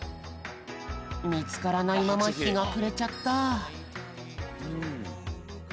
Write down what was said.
みつからないままひがくれちゃった。